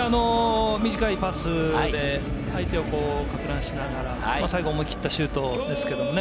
短いパス、相手をかく乱しながら、最後は思い切ったシュートですけれどもね。